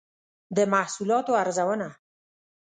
د محصولاتو ارزونه